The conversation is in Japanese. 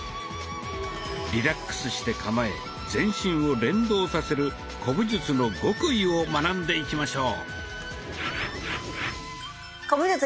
リラックスして構え全身を連動させる古武術の極意を学んでいきましょう。